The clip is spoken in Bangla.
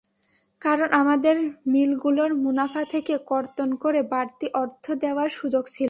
কারণ, আমাদের মিলগুলোর মুনাফা থেকে কর্তন করে বাড়তি অর্থ দেওয়ার সুযোগ ছিল।